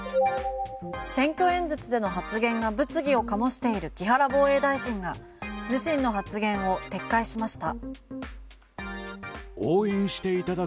選挙演説での発言が物議を醸している木原防衛大臣が自身の発言を撤回しました。